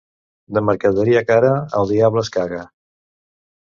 De mercaderia cara, el diable en caga.